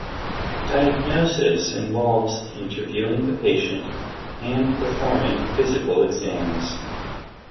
Diagnosis involves interviewing the patient and performing physical exams.